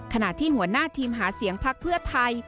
ขณะที่หัวหน้าทีมหาเสียงพักเพื่อไทย